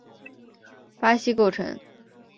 巴西构成。